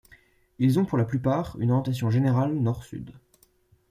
Ils ont pour la plupart une orientation générale nord-sud.